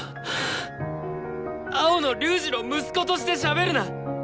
青野龍仁の息子としてしゃべるな。